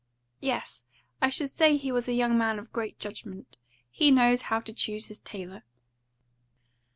"Yes, I should say he was a young man of great judgment. He knows how to choose his tailor."